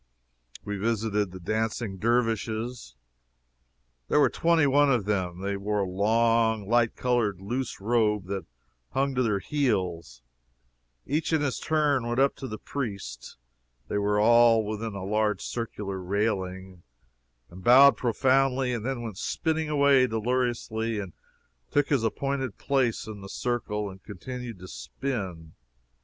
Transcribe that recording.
We visited the Dancing Dervishes. There were twenty one of them. They wore a long, light colored loose robe that hung to their heels. Each in his turn went up to the priest (they were all within a large circular railing) and bowed profoundly and then went spinning away deliriously and took his appointed place in the circle, and continued to spin.